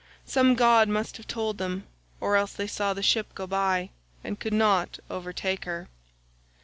Some god must have told them, or else they saw the ship go by, and could not overtake her."